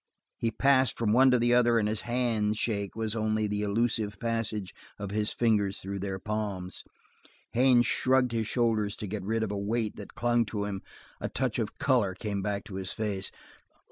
He passed from one to the other and his handshake was only the elusive passage of his fingers through their palms. Haines shrugged his shoulders to get rid of a weight that clung to him; a touch of color came back to his face.